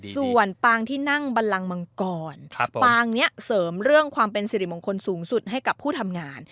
ส่วนปางที่นั่งบันลังมังกรปางนี้เสริมเรื่องความเป็นสิริมงคลสูงสุดให้กับผู้ทำงาน